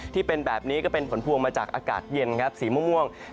ที่เป็นแบบนี้ก็เป็นผลพวงมาจากอากาศเย็นครับสีม่วง